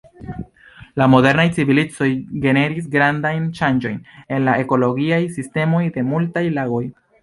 La modernaj civilizoj generis grandajn ŝanĝojn en la ekologiaj sistemoj de multaj lagoj.